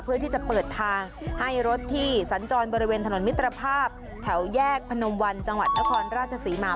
เพื่อที่จะเปิดทางให้รถที่สัญจรบริเวณถนนมิตรภาพแถวแยกพนมวันจังหวัดนครราชศรีมา